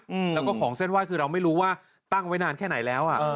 อืมแล้วก็ของเส้นไหว้คือเราไม่รู้ว่าตั้งไว้นานแค่ไหนแล้วอ่ะเออ